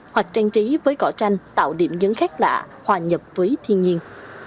hoặc trang trí với cỏ tranh tạo điểm nhấn khác lạ hòa nhập với thiên nhiên